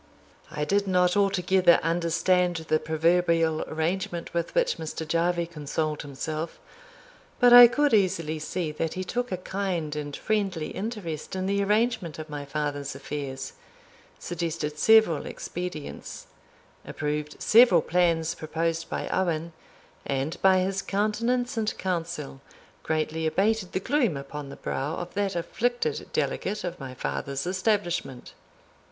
I did not altogether understand the proverbial arrangement with which Mr. Jarvie consoled himself, but I could easily see that he took a kind and friendly interest in the arrangement of my father's affairs, suggested several expedients, approved several plans proposed by Owen, and by his countenance and counsel greatly abated the gloom upon the brow of that afflicted delegate of my father's establishment.